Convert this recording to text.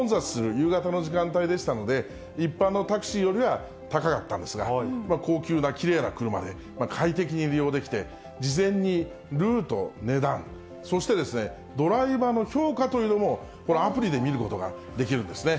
夕方の時間帯でしたので、一般のタクシーよりは高かったんですが、高級なきれいな車で、快適に利用できて、事前にルート、値段、そしてドライバーの評価というのも、このアプリで見ることができるんですね。